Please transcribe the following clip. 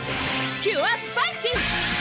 キュアスパイシー！